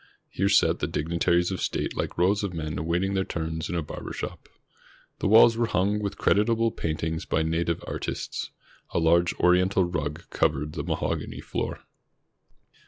Here sat the dignitaries of state like rows of men awaiting their turns in a barber shop. The walls were hung with creditable paintings by native artists. A large Oriental rug covered the mahogany floor.